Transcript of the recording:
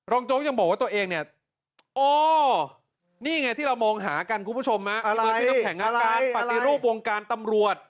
รองโจ๊กยังบอกว่าตัวเองเนี่ยอ๋อนี่ไงที่เรามองหากันคุณผู้ชมนะ